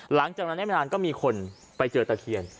หลังจากนั้นได้ไม่นานก็มีคนไปเจอตะเคียน